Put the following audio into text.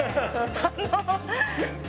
ハハハハハ。